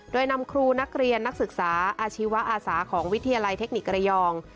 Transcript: โดยนำครูนักเรียนนักศึกษาอาชีวะอาสาของวิทยาลัยเทคนิคระยอง